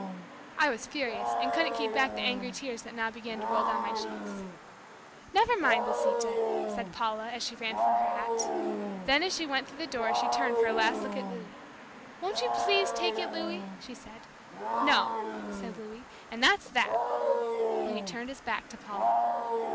I was furious and couldn't keep back the angry tears that now began to roll down my cheeks. "Never mind, Lisita," said Paula, as she ran for her hat. Then as she went through the door she turned for a last look at Louis, "Won't you please take it, Louis?" she said. "No!" said Louis "and that's that!" and he turned his back to Paula.